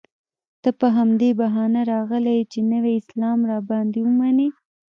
ته په همدې بهانه راغلی یې چې نوی اسلام را باندې ومنې.